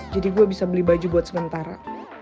jadi gue bisa beli baju buat sementara